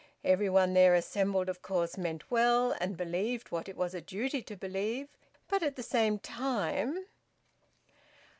Every one there assembled of course meant well, and believed what it was a duty to believe, but at the same time...